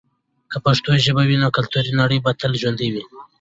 که پښتو ژبه وي، نو کلتوري نړی به تل ژوندي وي.